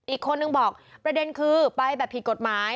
อีกคนนึงบอกประเด็นคือไปแบบผิดกฎหมาย